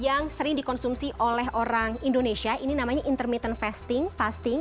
yang sering dikonsumsi oleh orang indonesia ini namanya intermittent fasting fasting